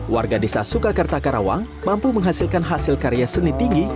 warga desa sukakarta karawang mampu menghasilkan hasil karya seni tinggi